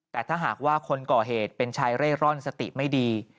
แต่ถ้าหากว่าคนก่อเหตุเป็นชายเร่ร่อนสติไม่ดี